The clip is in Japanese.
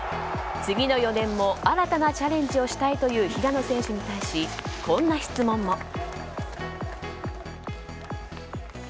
次の４年も新たなチャレンジをしたいという平野選手に対し、こんな質問も。